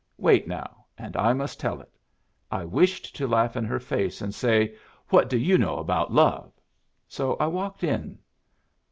Wait, now, and I must tell it. I wished to laugh in her face and say, 'What do you know about love?' So I walked in.